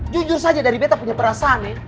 jujur saja dari beta punya perasaan nih